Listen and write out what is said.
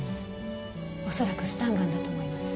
おそらくスタンガンだと思います。